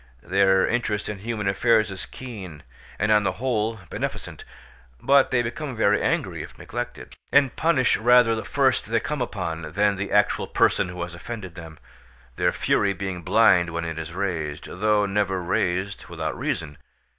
Their interest in human affairs is keen, and on the whole beneficent; but they become very angry if neglected, and punish rather the first they come upon, than the actual person who has offended them; their fury being blind when it is raised, though never raised without reason.